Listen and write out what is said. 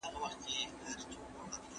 د هرې څيړني په پای کي یوه پایله ترلاسه کېږي.